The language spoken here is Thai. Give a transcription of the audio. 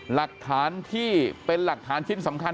หลักฐานที่เป็นหลักฐานชิ้นสำคัญ